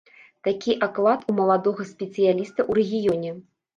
Такі аклад у маладога спецыяліста ў рэгіёне.